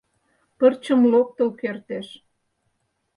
Пырчым локтыл кертеш.